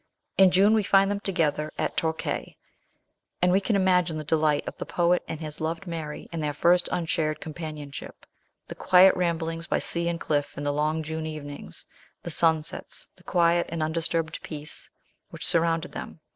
In June we find them together at Torquay, and we can imagine the delight of the poet and his loved Mary in their first unshared companionship the quiet rambles by sea and cliff in the long June evenings, the sunsets, the quiet and undisturbed peace which surrounded them.